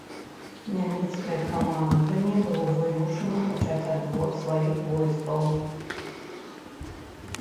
Нямецкае камандаванне было вымушана пачаць адвод сваіх войскаў.